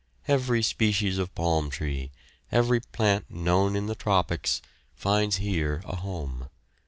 Every species of palm tree, every plant known in the tropics, finds here a home.